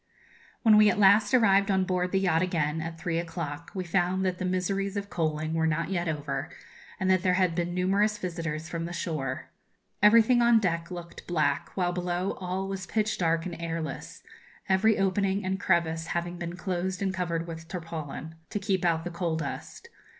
When we at last arrived on board the yacht again, at three o'clock, we found that the miseries of coaling were not yet over, and that there had been numerous visitors from the shore. Everything on deck looked black, while below all was pitch dark and airless, every opening and crevice having been closed and covered with tarpaulin, to keep out the coal dust.